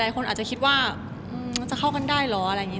คนอาจจะคิดว่ามันจะเข้ากันได้เหรออะไรอย่างนี้